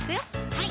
はい